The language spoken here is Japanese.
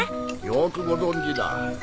よくご存じだ